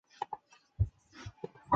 崎玉县出身。